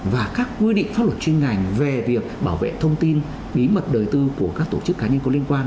và các quy định pháp luật chuyên ngành về việc bảo vệ thông tin bí mật đời tư của các tổ chức cá nhân có liên quan